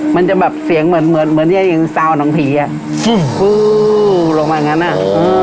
มันจะแบบเสียงเหมือนเหมือนเหมือนเนี้ยยังสาวน้องผีอ่ะลงมาอย่างงั้นอ่ะ